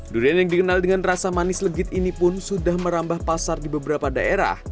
durian yang dikenal dengan rasa manis legit ini pun sudah merambah pasar di beberapa daerah